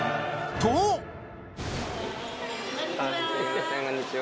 こんにちは。